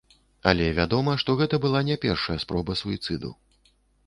Але вядома, што гэта была не першая спроба суіцыду.